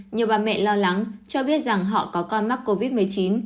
nhiều bà mẹ lo lắng cho biết rằng họ có con mắc covid một mươi chín